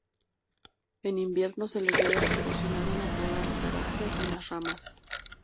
En invierno se les debe proporcionar una poda de rebaje en las ramas.